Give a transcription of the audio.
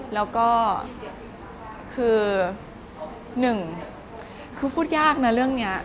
แล้วก็คือหนึ่งคือพูดยากนะเรื่องนี้